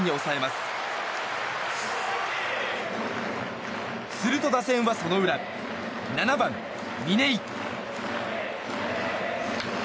すると、打線はその裏７番、嶺井。